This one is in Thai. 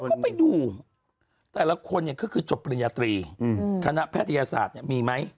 ก็ไปดูแต่ละคนเนี่ยก็คือจบปริญญาตรีคณะแพทยศาสตร์เนี่ยมีไหม